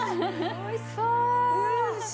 おいしそう！